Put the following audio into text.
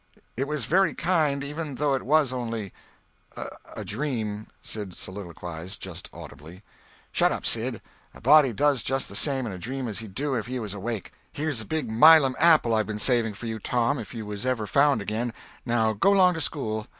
"It was very kind, even though it was only a—dream," Sid soliloquized just audibly. "Shut up, Sid! A body does just the same in a dream as he'd do if he was awake. Here's a big Milum apple I've been saving for you, Tom, if you was ever found again—now go 'long to school.